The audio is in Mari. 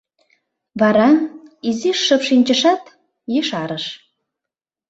Вара, изиш шып шинчышат, ешарыш: